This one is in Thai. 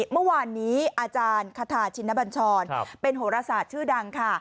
เมื่อวานนี้อาจารย์คาทาชินบัญชรเป็นโหรศาสตร์ชื่อดังค่ะ